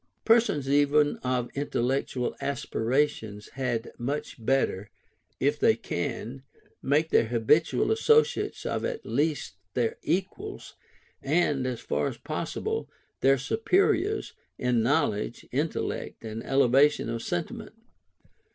Persons even of intellectual aspirations had much better, if they can, make their habitual associates of at least their equals, and, as far as possible, their superiors, in knowledge, intellect, and elevation of sentiment.